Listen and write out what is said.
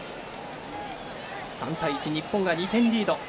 ３対１、日本が２点リード。